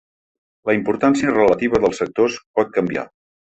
La importància relativa dels sectors pot canviar.